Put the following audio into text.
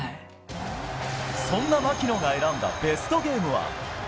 そんな槙野が選んだベストゲームは。